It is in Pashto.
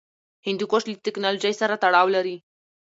هندوکش له تکنالوژۍ سره تړاو لري.